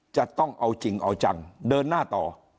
จะต้องเอาจริงเอาจังเดินหน้าต่อ